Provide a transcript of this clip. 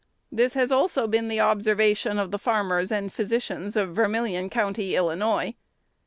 This has also been the observation of the farmers and physicians of Vermilion County, Illinois.